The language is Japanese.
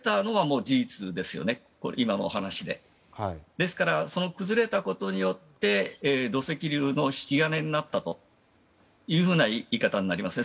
ですから、その崩れたことで土石流の引き金になったという言い方になりますよね。